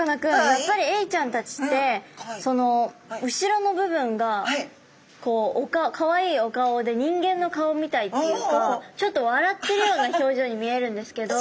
やっぱりエイちゃんたちってその後ろの部分がカワイイお顔で人間の顔みたいっていうかちょっと笑ってるような表情に見えるんですけど。